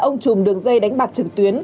ông chùm đường dây đánh bạc trực tuyến